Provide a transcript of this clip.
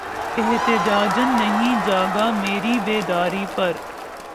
احتجاجاً نہیں جاگا مری بیداری پر